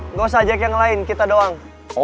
nggak usah ajak yang lain kita doang oh gitu